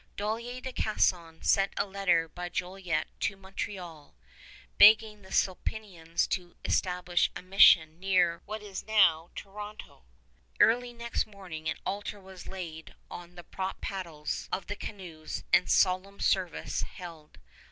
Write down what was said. Dollier de Casson sent a letter by Jolliet to Montreal, begging the Sulpicians to establish a mission near what is now Toronto. Early next morning an altar was laid on the propped paddles of the canoes and solemn service held.